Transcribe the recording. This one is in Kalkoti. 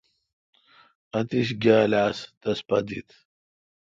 اتییش گال آس تس پہ دت۔